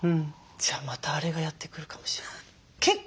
じゃあまたあれがやって来るかもしれない。